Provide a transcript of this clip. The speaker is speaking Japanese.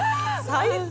「最高！」